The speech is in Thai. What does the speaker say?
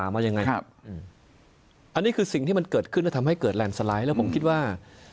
ภักดิ์อื่นอีกหลายภักดิ์เลยนะ